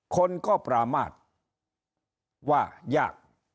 คนก็ประมาทว่ายาก